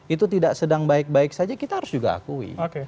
itu tidak sedang baik baik saja kita harus juga akui